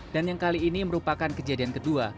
dan yang kali ini merupakan kejadian kedua